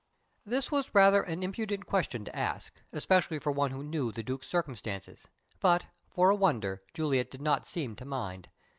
This was rather an impudent question to ask, especially for one who knew the Duke's circumstances; but, for a wonder, Juliet did not seem to mind.